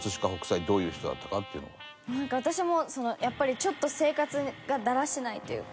なんか私もそのやっぱりちょっと生活がだらしないというか感じでなんかこう。